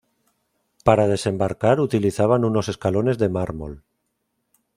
Para desembarcar utilizaban unos escalones de mármol.